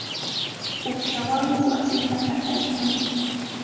Uqshawanmi wasinta qataykan.